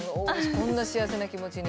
こんな幸せな気持ちに。